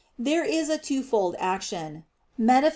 There is a twofold action (Metaph.